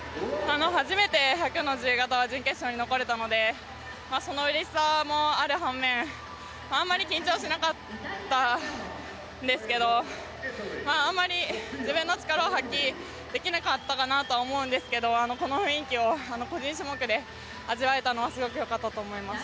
初めて１００の自由形を準決勝に残れたのでそのうれしさもある反面あまり緊張しなかったんですけどあんまり自分の力を発揮できなかったかなと思うんですけどもこの雰囲気を個人種目で味わえたのはすごく良かったと思います。